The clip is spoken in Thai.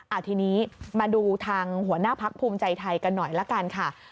เอาทีนี้มาดูทางหัวหน้าพักภูมิใจไทยกันหน่อยละกันค่ะ